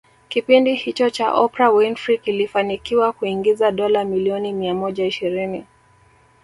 Kipindi hicho cha Oprah Winfrey kilifanikiwa kuingiza dola milioni mia moja ishirini